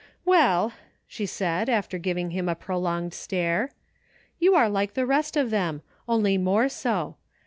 "Well," she said, after giving him a prolonged stare, " you are like the rest of them — only more so.